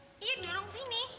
iya dorong kesini